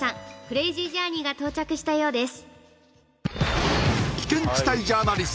クレイジージャーニーが到着したようです